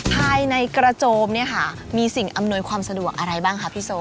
ภายในกระโจมเนี่ยค่ะมีสิ่งอำนวยความสะดวกอะไรบ้างคะพี่โซ